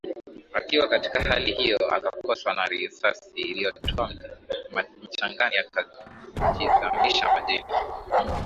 Akiwa katika hali hiyo akakoswa na risasi iliyotua mchangani akajizamisha majini